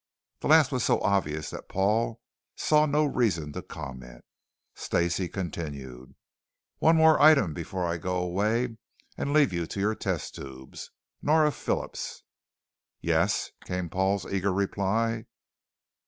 The last was so obvious that Paul saw no reason to comment. Stacey continued, "One more item before I go away and leave you to your test tubes. Nora Phillips." "Yes?" came Paul's eager reply.